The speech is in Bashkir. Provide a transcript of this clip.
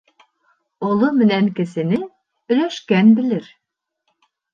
Оло менән кесене өләшкән белер